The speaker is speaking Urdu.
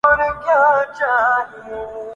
طائرک بلند بال دانہ و دام سے گزر